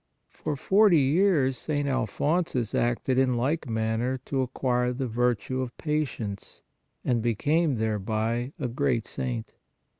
For forty years St. Alphonsus acted in like manner to acquire the virtue of patience, and became thereby a great saint.